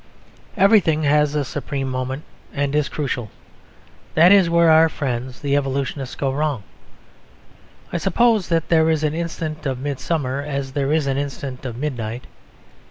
Everything has a supreme moment and is crucial; that is where our friends the evolutionists go wrong. I suppose that there is an instant of midsummer as there is an instant of midnight.